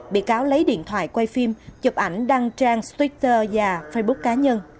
bị cáo lấy điện thoại quay phim chụp ảnh đăng trang switter và facebook cá nhân